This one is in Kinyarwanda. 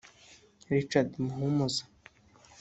Richard Muhumuza